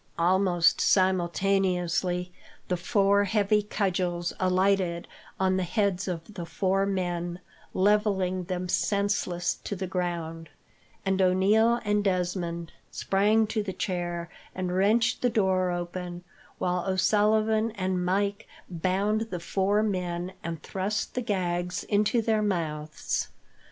Almost simultaneously, the four heavy cudgels alighted on the heads of the four men, levelling them senseless to the ground; and O'Neil and Desmond sprang to the chair, and wrenched the door open, while O'Sullivan and Mike bound the four men, and thrust the gags into their mouths.